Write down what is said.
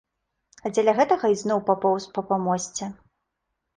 А дзеля гэтага ізноў папоўз па памосце.